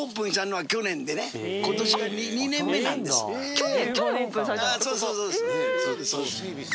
去年オープンされたんですか